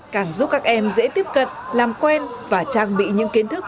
càng giúp các em dễ tiếp cận làm quen và trang bị những kiến thức